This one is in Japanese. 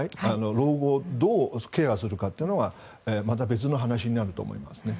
老後をどうケアするかというのはまた別の話になると思います。